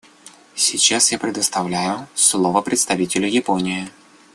Сейчас я предоставляю слово представителю Японии.